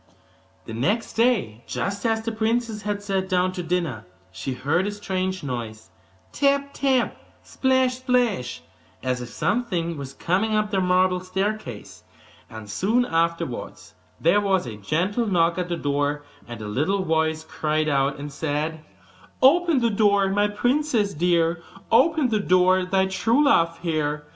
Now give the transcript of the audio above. The next day, just as the princess had sat down to dinner, she heard a strange noise tap, tap plash, plash as if something was coming up the marble staircase: and soon afterwards there was a gentle knock at the door, and a little voice cried out and said: 'Open the door, my princess dear, Open the door to thy true love here!